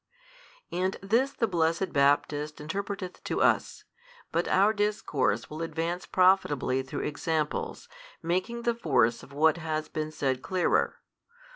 And this the blessed Baptist interpreteth to us. But our discourse will advance profitably through examples, making the force of what has been said clearer.